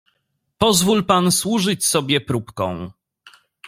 "Pozwól pan służyć sobie próbką."